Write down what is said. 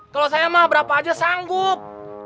kalau saya mah berapa aja sanggup